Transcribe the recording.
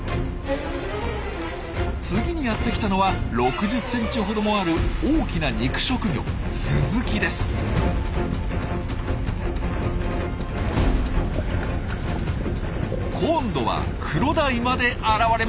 次にやって来たのは６０センチほどもある大きな肉食魚今度はクロダイまで現れました。